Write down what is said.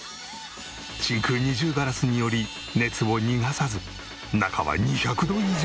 真空二重ガラスにより熱を逃がさず中は２００度以上。